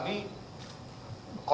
masuk ke aduan konten kami